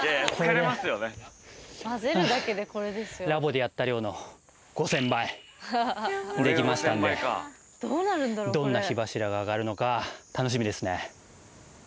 ラボでやった量の５０００倍できましたんでどんな火柱が上がるのか楽しみですね。